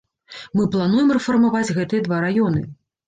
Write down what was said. Мы плануем рэфармаваць гэтыя два раёны.